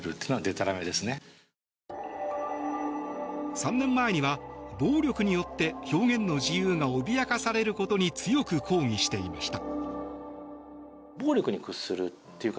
３年前には、暴力によって表現の自由が脅かされることに強く抗議していました。